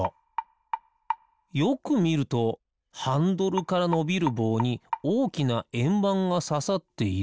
よくみるとハンドルからのびるぼうにおおきなえんばんがささっている。